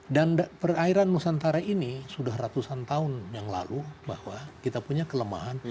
dan perairan musantara ini sudah ratusan tahun yang lalu bahwa kita punya kelemahan